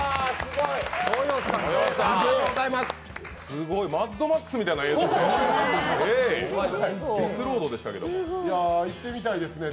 すごい「マッドマックス」みたいな映像ですね。